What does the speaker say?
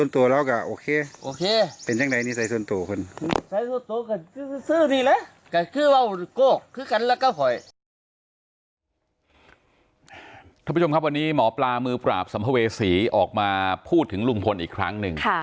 ท่านผู้ชมครับวันนี้หมอปลามือปราบสัมภเวษีออกมาพูดถึงลุงพลอีกครั้งหนึ่ง